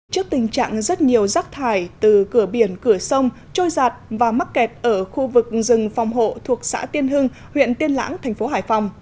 trước tình trạng rất nhiều rác thải từ cửa biển cửa sông trôi giạt và mắc kẹt ở khu vực rừng phòng hộ thuộc xã tiên hưng huyện tiên lãng thành phố hải phòng